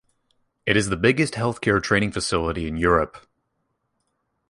It is the biggest healthcare training facility in Europe.